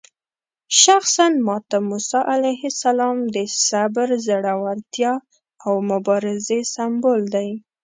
شخصاً ماته موسی علیه السلام د صبر، زړورتیا او مبارزې سمبول دی.